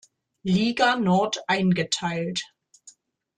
Liga Nord eingeteilt.